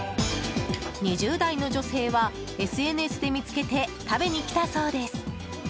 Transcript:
２０代の女性はＳＮＳで見つけて食べに来たそうです。